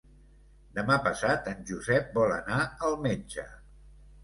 Demà passat en Josep vol anar al metge.